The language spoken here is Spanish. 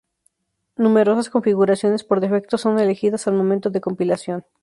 Numerosas configuraciones por defecto son elegidas al momento de compilación.